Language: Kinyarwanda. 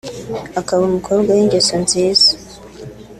akaba umukobwa w’ingeso nziza